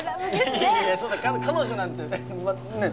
いやいやいやそんな彼女なんてねえ